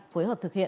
phối hợp thực hiện